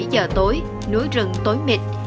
bảy giờ tối núi rừng tối mịt